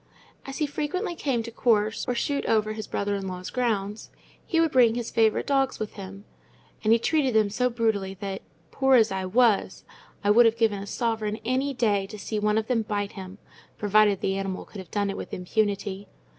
As he frequently came to course or shoot over his brother in law's grounds, he would bring his favourite dogs with him; and he treated them so brutally that, poor as I was, I would have given a sovereign any day to see one of them bite him, provided the animal could have done it with impunity.